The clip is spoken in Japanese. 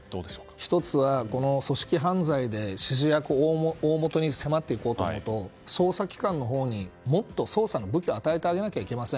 １つは、組織犯罪で指示役、大元に迫ろうと思うと捜査機関のほうにもっと捜査の武器を与えないといけません。